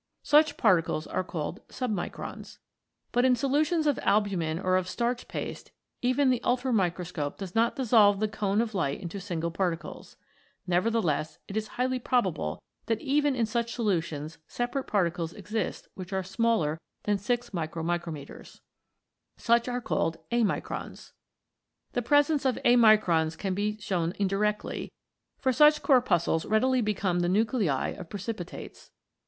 Such particles are called Submicrons. But in solutions of albumin or of starch paste even the ultramicroscope does not dissolve the cone of light into single particles. Nevertheless, it is highly probable that even in such solutions separate particles exist which are smaller than 6 fifj,. Such are called Amicrons. The presence of amicrons can be shown indirectly, for such corpuscules readily become the nuclei of pre cipitates.